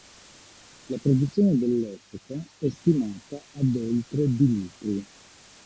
La produzione dell'epoca è stimata ad oltre di litri.